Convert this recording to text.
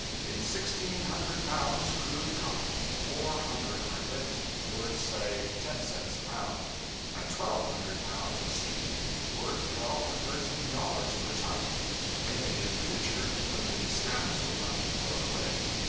In sixteen hundred pounds crude cotton four hundred are lint, worth, say, ten cents a pound; and twelve hundred pounds of seed, worth $12 or $13 per ton. Maybe in future even the stems will not be thrown away.